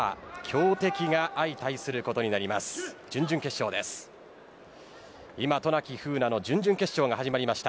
強敵が相対することになります。